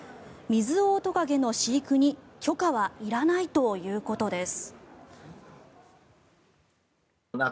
ミズオオトカゲの飼育に許可はいらないということです。